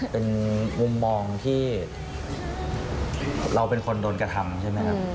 เป็นมุมมองที่เราเป็นคนโดนกระทาน